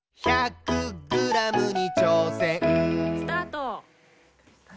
・スタート！